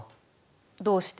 どうして？